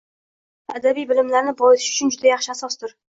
Bu usul adabiy bilimlarini boyitish uchun juda yaxshi asosdir